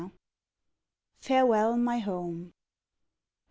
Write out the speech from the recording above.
Farewell, My Home.